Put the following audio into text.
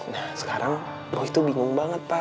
nah sekarang boy tuh bingung banget pak